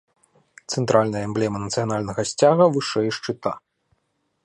Цэнтральная эмблема нацыянальнага сцяга вышэй шчыта.